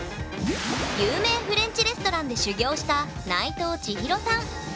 有名フレンチレストランで修業した内藤千博さん